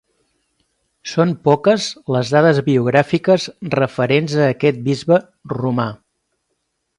Són poques les dades biogràfiques referents a aquest bisbe romà.